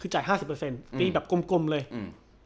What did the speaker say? คือจ่ายห้าสิบเปอร์เซ็นต์ตีแบบกลมกลมเลยอืม